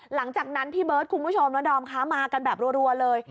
หลังจากนั้นพี่เบิร์ดคุณผู้ชมและดอมคะมากันแบบรัวเลย